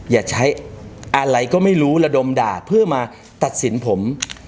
อย่าใช้อะไรก็ไม่รู้ระดมด่าเพื่อมาตัดสินผม